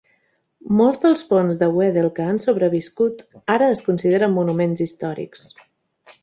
Molts dels ponts de Waddell que han sobreviscut ara es consideren monuments històrics.